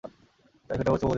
তাই ফেটে পড়েছে বহুদিন পরে।